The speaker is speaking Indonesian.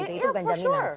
itu bukan jaminan